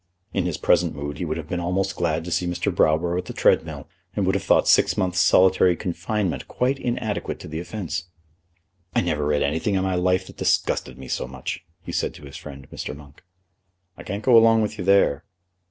In his present mood he would have been almost glad to see Mr. Browborough at the treadmill, and would have thought six months' solitary confinement quite inadequate to the offence. "I never read anything in my life that disgusted me so much," he said to his friend, Mr. Monk. "I can't go along with you there."